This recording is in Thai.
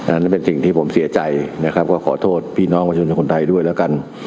นั่นเป็นสิ่งที่ผมเสียใจนะครับก็ขอโทษพี่น้องประชาชนคนไทยด้วยแล้วกัน